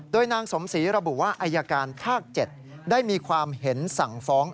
โดยนางสมศรีระบุว่าอายการภาค๗ได้มีความเห็นสั่งฟ้อง